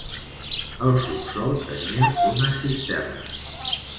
Al subsòl tenia unes cisternes.